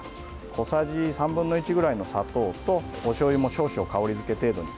小さじ３分の１ぐらいの砂糖とおしょうゆも少々香りづけ程度に。